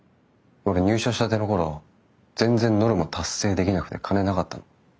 俺入社したての頃全然ノルマ達成できなくて金なかったの。